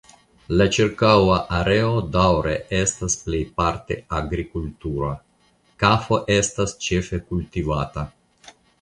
La ĉirkaŭa areo daŭre estas plejparte agrikultura; kafo estas ĉefe kultivata.